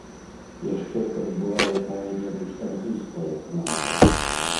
Яшчэ каб была якая-небудзь англійская каманда.